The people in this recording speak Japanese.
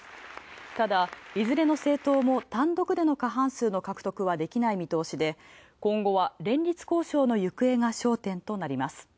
ただ、いずれの政党も単独での過半数の獲得はできない見通しで今後は連立交渉の行方が焦点となります。